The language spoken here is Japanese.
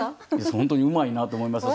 本当にうまいなと思いました。